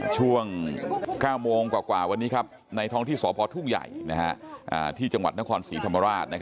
ช่วง๙โมงกว่าวันนี้ในท้องที่สพทุ่งใหญ่ที่จังหวัดนครศรีธรรมราช